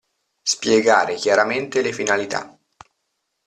Spiegare chiaramente le finalità.